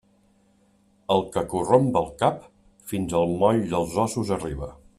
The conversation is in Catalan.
El que corromp el cap, fins al moll dels ossos arriba.